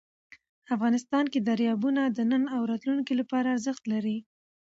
افغانستان کې دریابونه د نن او راتلونکي لپاره ارزښت لري.